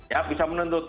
ya bisa menuntut